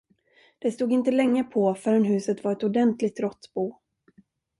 Det stod inte länge på, förrän huset var ett ordentligt råttbo.